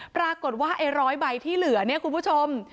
ปรากฏว่าไอ้๑๐๐ใบที่เหลือเนี่ยคุณผู้ชม